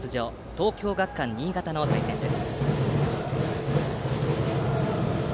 東京学館新潟の対戦です。